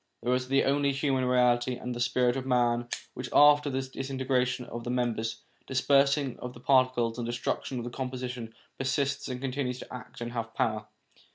There is only the human reality and the spirit of man which, after the disintegration of the members, dispersing of the par ticles, and the destruction of the composition, persists, and continues to act and to have power.